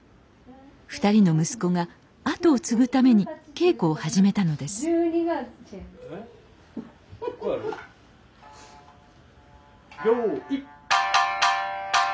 ２人の息子が跡を継ぐために稽古を始めたのですよい。